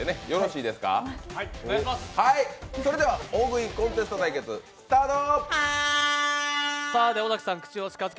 それでは「大食いコンテスト」対決スタート！